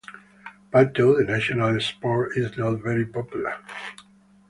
Pato, the national sport, is not very popular.